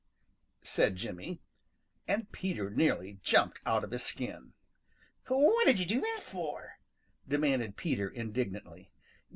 said Jimmy, and Peter nearly jumped out of his skin. "What did you do that for?" demanded Peter indignantly.